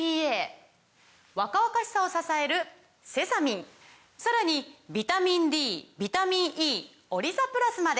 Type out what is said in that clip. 若々しさを支えるセサミンさらにビタミンＤビタミンＥオリザプラスまで！